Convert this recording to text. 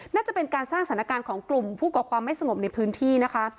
น่าจะเป็นการสร้างสถานการณ์ของกลุ่มผู้ก่อความไม่สงบในพื้นที่นะคะ